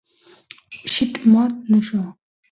شیټ مات نه شو.